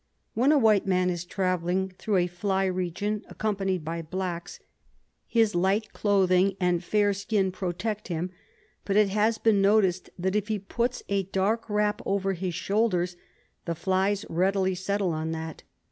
When a white man is travelling through a fly region accompanied by blacks, his light cloth ing and fair skin protect him, but it has been noticed that if he puts a dark wrap over his shoulders the flies readily settle on that.